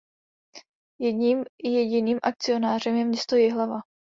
Jejím jediným akcionářem je město Jihlava.